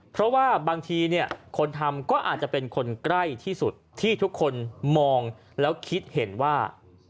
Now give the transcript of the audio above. เพราะว่าบางทีเนี่ยคนทำก็อาจจะเป็นคนใกล้ที่สุดที่ทุกคนมองแล้วคิดเห็นว่า